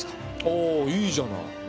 おおいいじゃない。